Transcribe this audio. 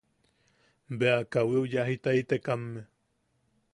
Bea kawiu yajitaitekamme;.